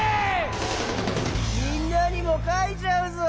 みんなにもかいちゃうぞ。